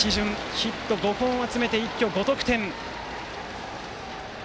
ヒット５本集めて一挙５得点。